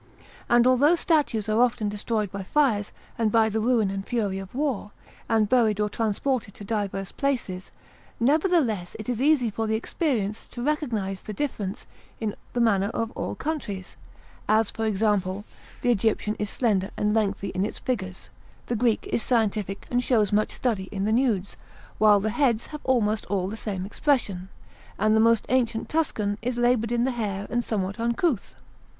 And although statues are often destroyed by fires and by the ruin and fury of war, and buried or transported to diverse places, nevertheless it is easy for the experienced to recognize the difference in the manner of all countries; as, for example, the Egyptian is slender and lengthy in its figures, the Greek is scientific and shows much study in the nudes, while the heads have almost all the same expression, and the most ancient Tuscan is laboured in the hair and somewhat uncouth.